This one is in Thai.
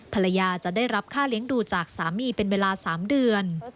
ภรรยาจะได้รับค่าเลี้ยงดูจากสามีเป็นเวลา๓เดือน